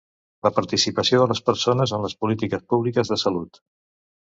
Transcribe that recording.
La participació de les persones en les polítiques públiques de salut.